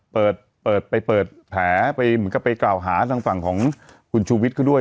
เปิดเปิดไปเปิดแผลไปเหมือนกับไปกล่าวหาทางฝั่งของคุณชูวิทย์เขาด้วย